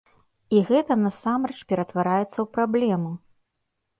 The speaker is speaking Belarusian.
І гэта насамрэч ператвараецца ў праблему.